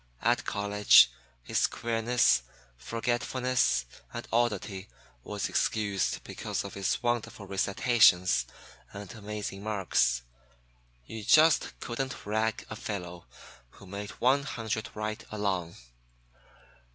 At college his queerness, forgetfulness and oddity was excused because of his wonderful recitations and amazing marks. You just couldn't rag a fellow who made one hundred right along.